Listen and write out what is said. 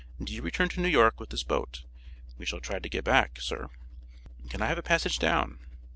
'Do you return to New York with this boat?' 'We shall try to get back, sir.' 'Can I have a passage down?'